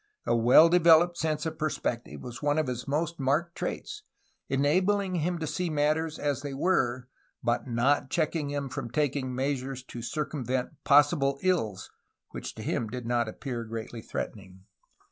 A well developed sense of perspective was one of his most marked traits, en abling him to see matters as they were, but not checking him from taking measures to circumvent possible ills which to him did not appear greatly threatening.